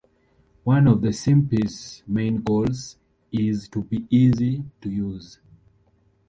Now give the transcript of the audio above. One of SimPy's main goals is to be easy to use.